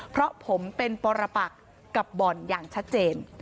เพราะผมเป็นปรปักกับบ่อนอย่างชัดเจน